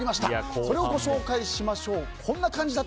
それをご紹介しましょう。